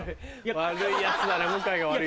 悪いヤツだね向井が悪い。